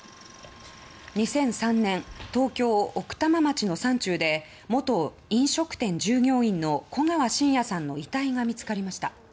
２００３年東京・奥多摩町の山中で元飲食店従業員の古川信也さんの遺体が見つかりました。